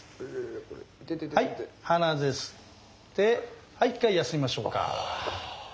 はい鼻で吸ってはい一回休みましょうか。